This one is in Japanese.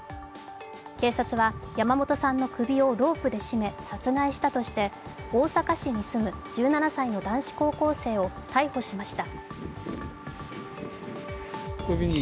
警察は山本さんの首をロープで絞め殺害したとして大阪市に住む１７歳の男子高校生を逮捕しました。